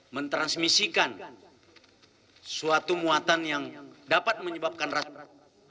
mentransmisikan suatu muatan yang dapat menyebabkan rasbrat